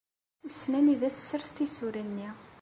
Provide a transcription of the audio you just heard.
Wissen anida tessers tisura-nni!